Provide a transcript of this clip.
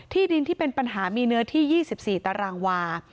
ดินที่เป็นปัญหามีเนื้อที่๒๔ตารางวา